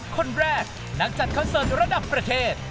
คนแรกนักจัดคอนเสิร์ตระดับประเทศ